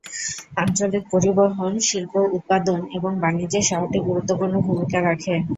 আঞ্চলিক পরিবহন, শিল্প উৎপাদন এবং বাণিজ্যে শহরটি গুরুত্বপূর্ণ ভূমিকা রাখে।